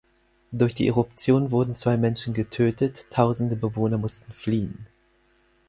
Durch die Eruption wurden zwei Menschen getötet, tausende Bewohner mussten fliehen.